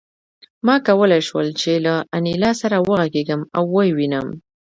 ما کولای شول چې له انیلا سره وغږېږم او ویې وینم